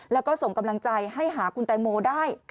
แล้วก็ส่งกำลังใจให้หาคุณแตงโมได้